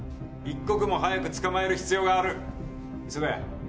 一刻も早く捕まえる必要がある磯ヶ谷Ｙ